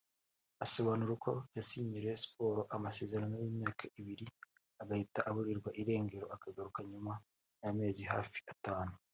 Asobanura uko yasinyiye Rayon Sports amasezerano y’imyaka ibiri agahita aburirwa irengero akagaruka nyuma y’amezi hafi atanu